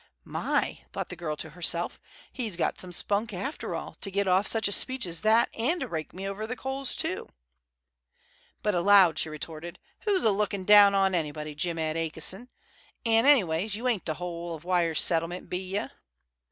"My!" thought the girl to herself, "he's got some spunk, after all, to git off such a speech as that, an' to rake me over the coals, too!" But aloud she retorted, "Who's a lookin' down on anybody, Jim Ed A'ki'son? An', anyways, you ain't the whole of Wyer's Settlement, be ye?"